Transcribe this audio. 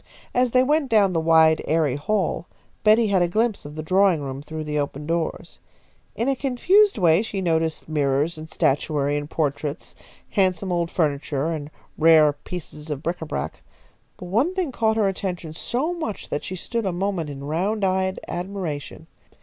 As they went down the wide, airy hall, Betty had a glimpse of the drawing room through the open doors. In a confused way she noticed mirrors and statuary and portraits, handsome old furniture and rare pieces of bric a brac; but one thing caught her attention so that she stood a moment in round eyed admiration.